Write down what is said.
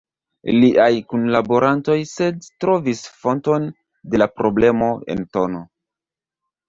Liaj kunlaborantoj sed trovis fonton de la problemo en tn.